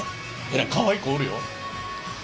えらいかわいい子おるよ。